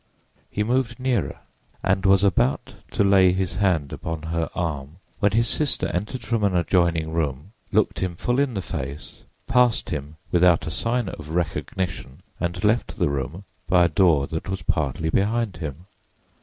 He moved nearer and was about to lay his hand upon her arm, when his sister entered from an adjoining room, looked him full in the face, passed him without a sign of recognition and left the room by a door that was partly behind him.